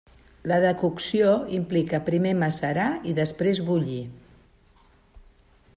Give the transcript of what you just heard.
La decocció implica primer macerar i després bullir.